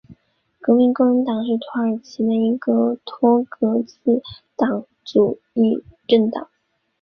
革命工人党是土耳其的一个托洛茨基主义政党。